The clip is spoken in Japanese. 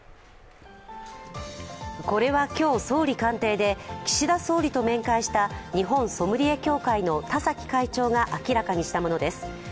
これは今日、総理官邸で岸田総理と面会した日本ソムリエ協会の田崎会長が明らかにしたものです。